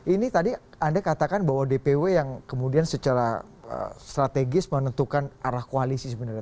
ini tadi anda katakan bahwa dpw yang kemudian secara strategis menentukan arah koalisi sebenarnya